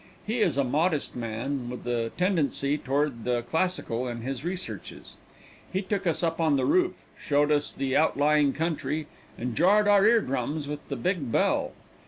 He is a modest man, with a tendency toward the classical in his researches. He took us up on the roof, showed us the outlying country, and jarred our ear drums with the big bell.